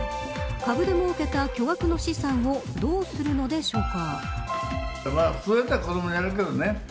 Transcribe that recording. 株でもうけた巨額の資産をどうするのでしょうか。